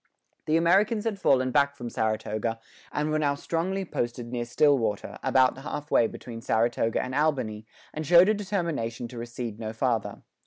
The Americans had fallen back from Saratoga, and were now strongly posted near Stillwater, about half way between Saratoga and Albany, and showed a determination to recede no farther.